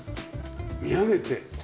見上げて。